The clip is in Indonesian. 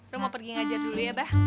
lo mau pergi ngajar dulu ya abah